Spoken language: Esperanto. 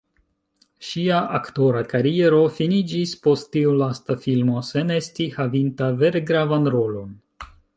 Ŝia aktora kariero finiĝis post tiu lasta filmo sen esti havinta vere gravan rolon.